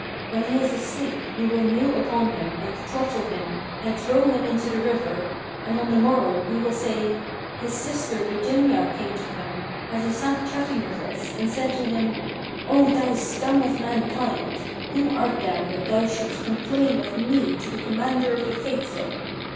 When he is asleep, we will kneel upon him and throttle him and throw him into the river; and on the morrow, we will say, 'His sister the Jinniyah came to him, as he sat chatting with us, and said to him, 'O thou scum of mankind, who art thou that thou shouldst complain of me to the Commander of the Faithful?